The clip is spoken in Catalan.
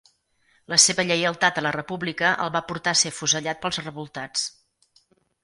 La seva lleialtat a la República el va portar a ser afusellat pels revoltats.